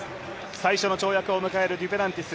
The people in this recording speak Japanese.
最初の跳躍を迎えるデュプランティス。